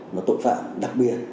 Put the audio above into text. nó tội phạm đặc biệt